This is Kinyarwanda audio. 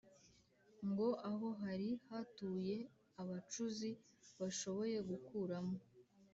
ngo aho hari hatuye abacuzi bashoboye gukuramo